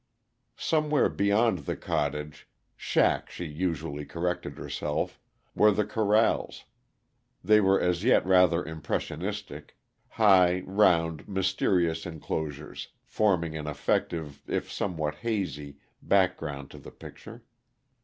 Somewhere beyond the cottage "shack," she usually corrected herself were the corrals; they were as yet rather impressionistic; high, round, mysterious inclosures forming an effective, if somewhat hazy, background to the picture.